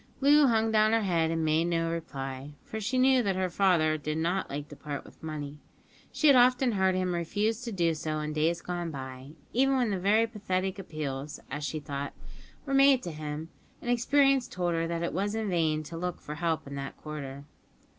Loo hung down her head and made no reply, for she knew that her father did not like to part with money. She had often heard him refuse to do so in days gone by, even when very pathetic appeals (as she thought) were made to him; and experience told her that it was in vain to look for help in that quarter.